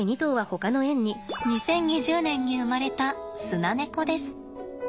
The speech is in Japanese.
２０２０年に生まれたスナネコです。